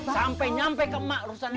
sampai nyampe ke ma rusaknya